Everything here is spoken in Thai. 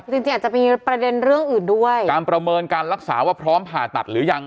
จริงจริงอาจจะมีประเด็นเรื่องอื่นด้วยการประเมินการรักษาว่าพร้อมผ่าตัดหรือยัง